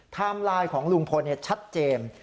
ไทม์ไลน์ของลูกพลชัดเจมส์